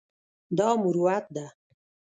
دا مروت ده.